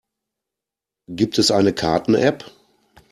Gibt es eine Karten-App?